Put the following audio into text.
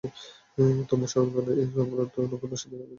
তোমরা সজ্ঞানে এ চক্রান্ত করেছ নগরবাসীদের নগর থেকে বহিষ্কারের জন্যে।